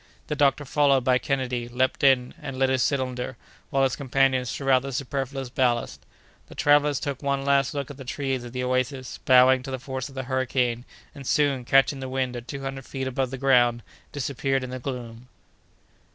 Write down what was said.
The doctor, followed by Kennedy, leaped in, and lit his cylinder, while his companions threw out the superfluous ballast. The travellers took one last look at the trees of the oasis bowing to the force of the hurricane, and soon, catching the wind at two hundred feet above the ground, disappeared in the gloom.